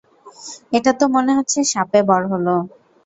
এটা তো মনে হচ্ছে শাপে বর হলো!